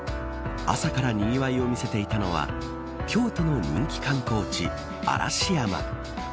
朝からにぎわいを見せていたのは京都の人気観光地、嵐山。